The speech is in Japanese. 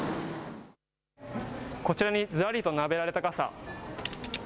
こちらにずらりと並べられた傘。